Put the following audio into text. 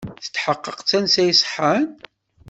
Tetḥeqqeḍ d tansa iṣeḥḥan?